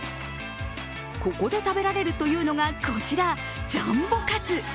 ここで食べられるというのがこちら、ジャンボカツ。